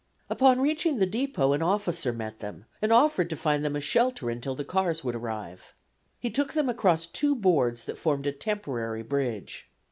On reaching the depot an officer met them and offered to find them a shelter until the cars would arrive. He took them across two boards that formed a temporary bridge.